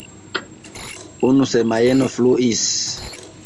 Unu semajno fluis.